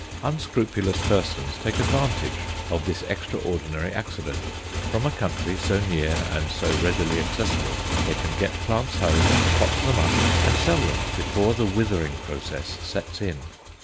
Unscrupulous persons take advantage of this extraordinary accident. From a country so near and so readily accessible they can get plants home, pot them up, and sell them, before the withering process sets in.